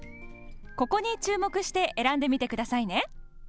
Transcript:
ここに注目して選んでみてくださいね。